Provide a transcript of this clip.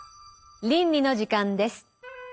倫理の時間です。